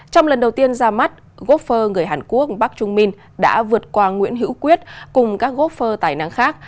trong lần đầu tiên ra mắt gốc phơ người hàn quốc bắc trung minh đã vượt qua nguyễn hữu quyết cùng các gốc phơ tài năng khác